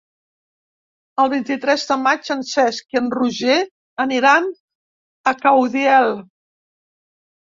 El vint-i-tres de maig en Cesc i en Roger aniran a Caudiel.